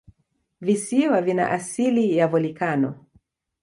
Visiwa vina asili ya volikano.